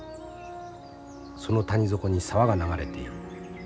その谷底に沢が流れている。